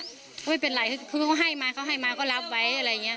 ไม่เป็นไรคือเขาให้มาเขาให้มาก็รับไว้อะไรอย่างนี้